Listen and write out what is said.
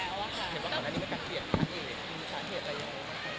สวัสดีค่ะ